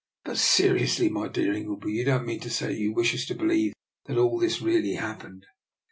But se riously, my dear Ingleby, you don't mean to say you wish us to believe that all this really happened?